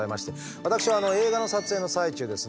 私は映画の撮影の最中ですね